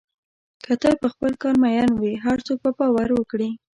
که ته په خپل کار مین وې، هر څوک به باور وکړي.